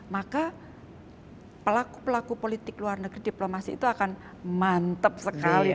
maka pelaku pelaku politik luar negeri diplomasi itu akan mantep sekali